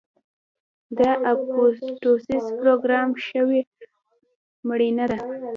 د اپوپټوسس پروګرام شوې مړینه ده.